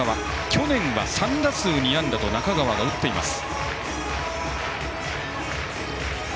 去年は３打数２安打と中川が打っています。